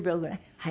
はい。